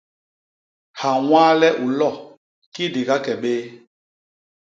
Hañwaale u lo, ki di gake bé.